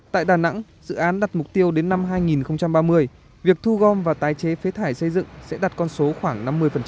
tại đà nẵng dự án đặt mục tiêu đến năm hai nghìn ba mươi việc thu gom và tái chế phế thải xây dựng sẽ đặt con số khoảng năm mươi